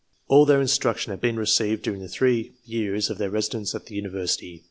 All their instruction had been received during the three years of their residence at the University.